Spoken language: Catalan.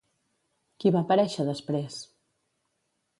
Qui va aparèixer després?